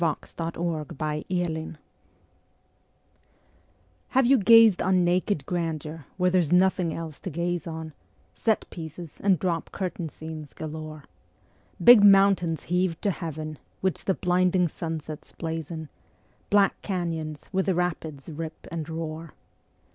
The Call of the Wild Have you gazed on naked grandeur where there's nothing else to gaze on, Set pieces and drop curtain scenes galore, Big mountains heaved to heaven, which the blinding sunsets blazon, Black canyons where the rapids rip and roar?